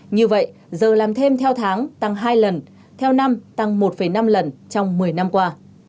như vậy giờ làm thêm theo tháng tăng hai lần theo năm tăng một năm lần trong một mươi năm qua